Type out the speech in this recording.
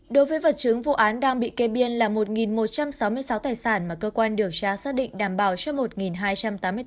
đối với vật chứng vụ án đang bị kê biên là một một trăm sáu mươi sáu tài sản mà cơ quan điều tra xác định đảm bảo cho một hai trăm tám mươi tám người